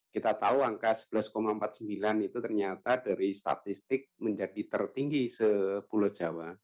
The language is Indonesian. kita tahu angka sebelas empat puluh sembilan itu ternyata dari statistik menjadi tertinggi se pulau jawa